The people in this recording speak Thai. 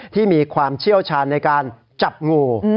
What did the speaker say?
ที่มีความเชี่ยวชาญในการจับงู